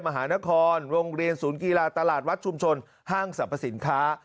มหานครโรงเรียนศูนย์กีฬาตลาดวัดชุมชนห้างสรรพสินค้า